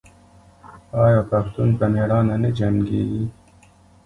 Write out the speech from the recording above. آیا پښتون په میړانه نه جنګیږي؟